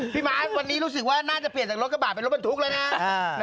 ม้าวันนี้รู้สึกว่าน่าจะเปลี่ยนจากรถกระบาดเป็นรถบรรทุกแล้วนะ